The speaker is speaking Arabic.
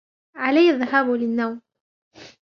علي الذهاب للنوم.